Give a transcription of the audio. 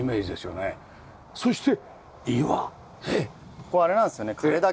ここあれなんですよね枯れ滝。